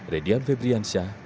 radiam febriansyah madinah